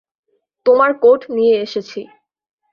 তোমার কোট নিয়ে এসেছি।